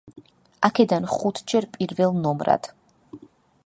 აქედან ხუთჯერ პირველ ნომრად.